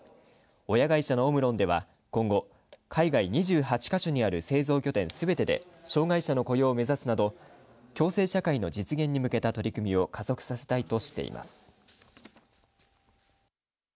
親会社のオムロンでは今後、海外２８か所にある製造拠点すべてで障害者の雇用を目指すなど共生社会の実現に向けた取り組みを加速させたいとしています。